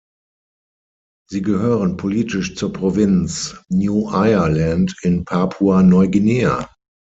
Sie gehören politisch zur Provinz New Ireland in Papua-Neuguinea.